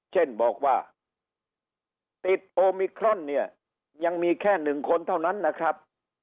เช่นบอกว่าปมนี้อ่ะยังมีแค่๑คนเท่านั้นนะครับ